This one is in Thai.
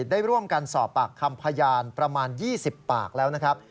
ได้ร่วมกันสอบปากคำพยานประมาณ๒๐ปากแล้วนะครับ